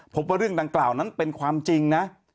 พบว่าเรื่องดังกล่าวนั้นเป็นความจริงนะ